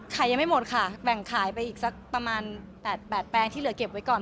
ยังไม่หมดค่ะแบ่งขายไปอีกสักประมาณ๘แปลงที่เหลือเก็บไว้ก่อน